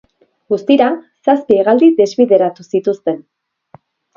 Guztira, zazpi hegaldi desbideratu zituzten.